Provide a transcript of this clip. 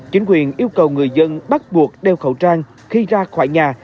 chính quyền yêu cầu người dân bắt buộc đeo khẩu trang khi ra khỏi nhà